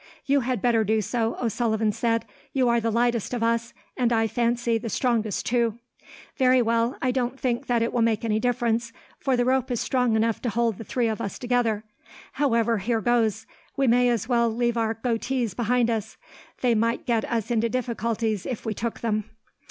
"You had better do so," O'Sullivan said. "You are the lightest of us, and, I fancy, the strongest, too." "Very well. I don't think that it will make any difference, for the rope is strong enough to hold the three of us together. However, here goes. We may as well leave our coatees behind us. They might get us into difficulties, if we took them."